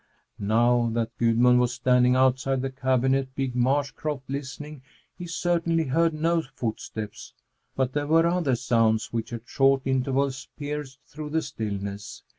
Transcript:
Now that Gudmund was standing outside the cabin at Big Marsh croft listening, he certainly heard no footsteps. But there were other sounds which at short intervals pierced through the stillness.